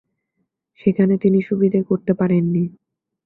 সেখানে তিনি সুবিধে করতে পারেননি।